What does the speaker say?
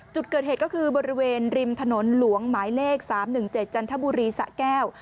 จุดเกิดเหตุก็คือบริเวณริมถนนหลวงหมายเลข๓๑๗จันทบุรีสะแก้ว